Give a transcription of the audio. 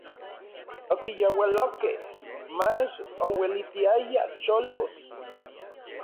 Okiyaualokej, mach ouelitiaya cholos.